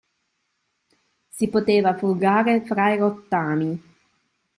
Si poteva frugare fra i rottami.